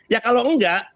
ya kalau enggak